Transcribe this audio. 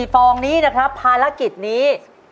ฟองนี้นะครับภารกิจนี้